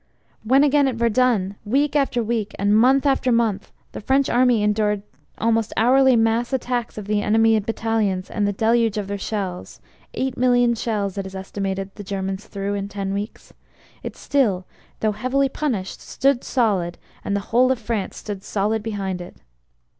When again at Verdun week after week and month after month the French army endured tine almost hourly mass attacks of the enemy battalions and the deluge of their shells (eight million shells, it is estimated the Germans threw in ten weeks), it still, though heavily punished, stood solid, and the whole of France stood solid behind it.